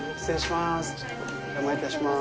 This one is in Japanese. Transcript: お邪魔いたします。